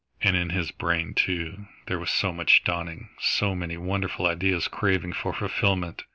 And in his brain, too, there was so much dawning, so many wonderful ideas craving for fulfilment.